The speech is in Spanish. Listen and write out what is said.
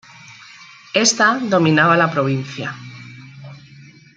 Esta dominaba la provincia.